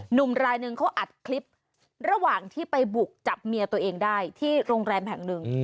หนุ่มรายหนึ่งเขาอัดคลิประหว่างที่ไปบุกจับเมียตัวเองได้ที่โรงแรมแห่งหนึ่ง